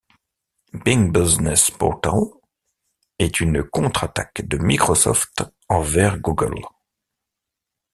Bing Business Portal est une contre-attaque de Microsoft envers Google.